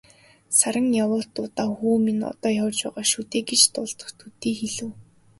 Саран явуут дундаа "Хүү минь одоо явж байгаа шүү дээ" гэж дуулдах төдий хэлэв.